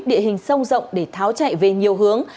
địa hình sâu rộng để tháo chạy về nhiều hướng